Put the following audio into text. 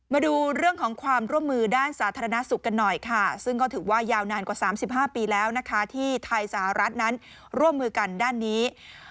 มาดูเรื่องของความร่วมมือด้านสาธารณสุขกันหน่อยค่ะซึ่งก็ถือว่ายาวนานกว่า๓๕ปีแล้วนะคะที่ไทยสหรัฐนั้นร่วมมือกันด้านนี้